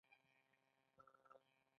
سیمولیشن د پروسې ښودنه ده.